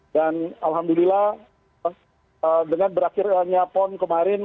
dan alhamdulillah dengan berakhirannya pon kemarin